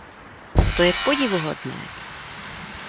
To je podivuhodné!